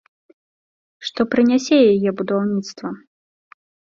Што прынясе яе будаўніцтва?